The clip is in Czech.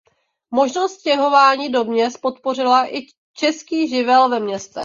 Možnost stěhování do měst podpořila i český živel ve městech.